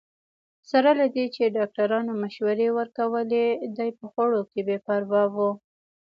سره له دې چې ډاکټرانو مشورې ورکولې، دی په خوړو کې بې پروا وو.